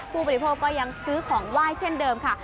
ผู้บริโภคก็ยังซื้อของไหว้เช่นเดิมค่ะ